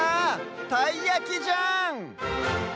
たいやきじゃん！